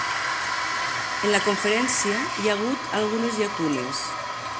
En la conferència hi ha hagut algunes llacunes.